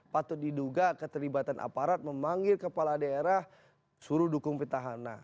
patut diduga keterlibatan aparat memanggil kepala daerah suruh dukung petahana